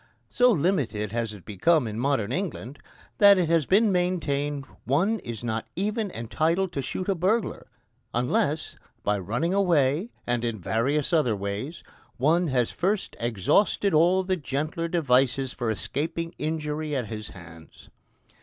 So limited has it become in modern England that it has been maintained one is not even entitled to shoot a burglar unless, by running away and in various other ways, one has first exhausted all the gentler devices for escaping injury at his hands.